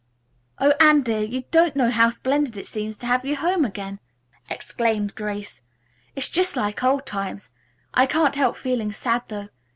"Oh, Anne, dear, you don't know how splendid it seems to have you home again!" exclaimed Grace. "It's just like old times. I can't help feeling sad though.